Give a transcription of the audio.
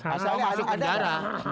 masalahnya ada kan